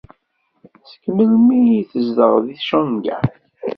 Seg melmi ay tzedɣeḍ deg Shanghai?